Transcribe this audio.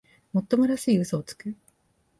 もっともらしい嘘をつく